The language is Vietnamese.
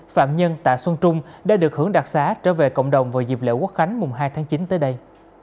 phạm nhân tạ xuân trung đã được hưởng đặc xá trở về cộng đồng vào dịp lễ quốc khánh mùng hai tháng chín tới đây